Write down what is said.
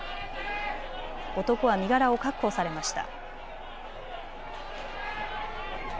男は身柄を確保されました。